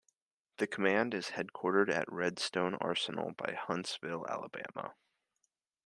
The command is headquartered at Redstone Arsenal by Huntsville, Alabama.